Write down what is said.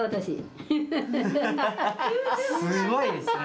すごいですね。